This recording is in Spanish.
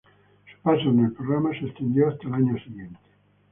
Su paso en el programa se extendió hasta el año siguiente.